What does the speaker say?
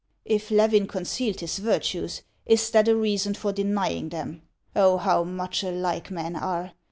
If Levin concealed his virtues, is that a reason for denying them ? Oh, how much alike men are